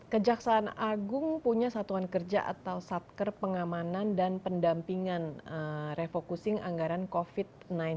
kejaksaan agung punya satuan kerja atau satker pengamanan dan pendampingan refocusing anggaran covid sembilan belas